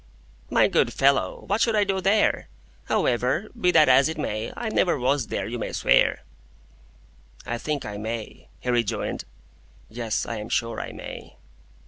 "My good fellow, what should I do there? However, be that as it may, I never was there, you may swear." "I think I may," he rejoined. "Yes; I am sure I may."